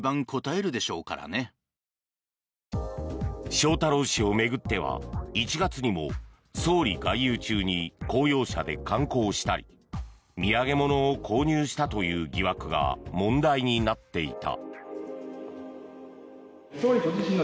翔太郎氏を巡っては１月にも、総理外遊中に公用車で観光したり土産物を購入したという疑惑が問題になっていた。